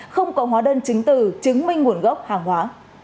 không có hóa đơn chứng từ chứng minh nguồn gốc hàng hóa